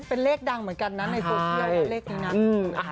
เป็นเลขดังเหมือนกันนะในกรุงเที่ยวเลขนี้นั้น